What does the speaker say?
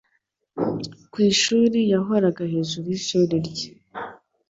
Kwishuri yahoraga hejuru yishuri rye.